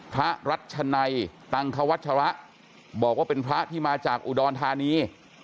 รัชนัยตังควัชระบอกว่าเป็นพระที่มาจากอุดรธานี